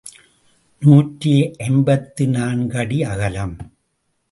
நூற்றி ஐம்பத்து நான்கு அடி அகலம்.